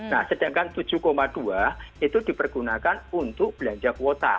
nah sedangkan tujuh dua itu dipergunakan untuk belanja kuota